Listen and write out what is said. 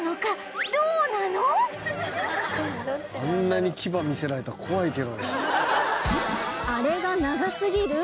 あんなに牙見せられたら怖いけどな。